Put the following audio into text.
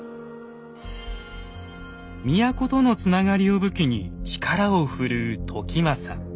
都とのつながりを武器に力を振るう時政。